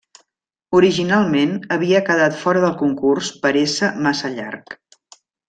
Originalment havia quedat fora del concurs per ésser massa llarga.